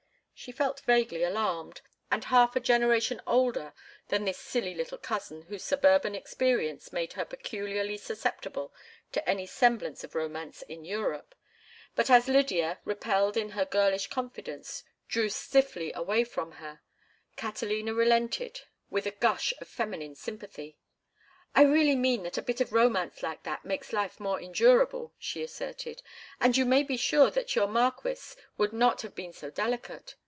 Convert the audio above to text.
She felt vaguely alarmed, and half a generation older than this silly little cousin whose suburban experience made her peculiarly susceptible to any semblance of romance in Europe; but as Lydia, repelled in her girlish confidence, drew stiffly away from her, Catalina relented with a gush of feminine sympathy. "I really mean that a bit of romance like that makes life more endurable," she asserted. "And you may be sure that your marquis would not have been so delicate.